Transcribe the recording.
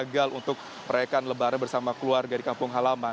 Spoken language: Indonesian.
gagal untuk mereka lebaran bersama keluar dari kampung halaman